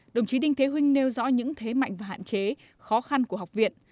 đồng chí đinh thế huynh nêu rõ những thế mạnh và hạn chế khó khăn của học viện